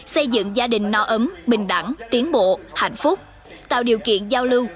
xây dựng gia đình no ấm bình đẳng tiến bộ hạnh phúc tạo điều kiện giao lưu